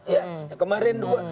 ya kemarin dua